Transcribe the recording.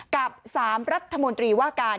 กับ๓รัฐมนตรีว่าการ